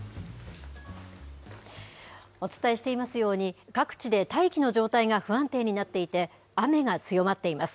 お伝えしていますように、各地で大気の状態が不安定になっていて、雨が強まっています。